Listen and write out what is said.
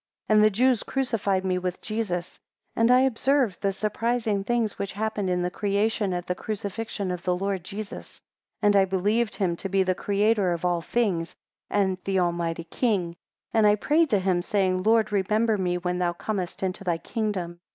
8 And the Jews crucified me with Jesus; and I observed the surprising things which happened in the creation at the crucifixion of the Lord Jesus. 9 And I believed him to be the Creator of all things, and the Almighty King; and I prayed to him, saying, Lord remember me, when thou comest into thy kingdom.